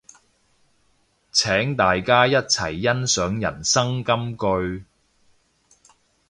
請大家一齊欣賞人生金句